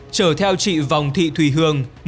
chở theo chị vòng thị thùy hương